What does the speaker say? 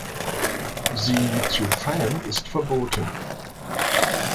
Sie zu fangen ist verboten.